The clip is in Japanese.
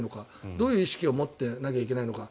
どういう意識を持っていなければいけないのか。